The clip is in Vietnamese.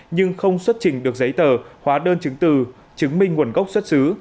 nhưng không xuất trình được giấy tờ hóa đơn chứng từ chứng minh nguồn gốc xuất xứ